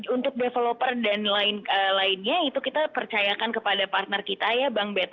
untuk developer dan lain lainnya itu kita percayakan kepada partner kita ya